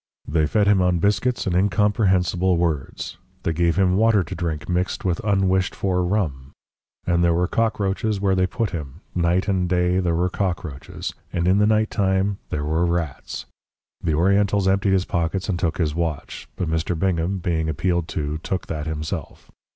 They fed him on biscuits and incomprehensible words; they gave him water to drink mixed with unwished for rum. And there were cockroaches where they put him, night and day there were cockroaches, and in the night time there were rats. The Orientals emptied his pockets and took his watch but Mr. Bingham, being appealed to, took that himself.